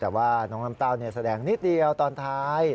แต่ว่าน้องน้ำเต้าแสดงนิดเดียวตอนท้าย